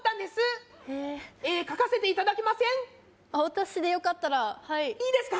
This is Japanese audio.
私でよかったらはいいいですか？